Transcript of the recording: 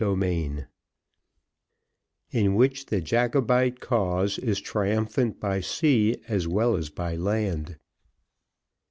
Chapter LI In which the Jacobite cause is triumphant by sea as well as by land.